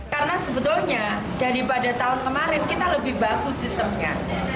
karena sebetulnya daripada tahun kemarin kita lebih bagus sistemnya